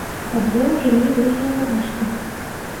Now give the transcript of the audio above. Пад ёю жылі рыжыя мурашкі.